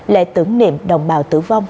lễ tưởng niệm đồng bào tử vong